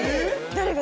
誰が？